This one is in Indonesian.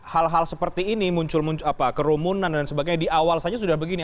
hal hal seperti ini muncul muncul kerumunan dan sebagainya di awal saja sudah begini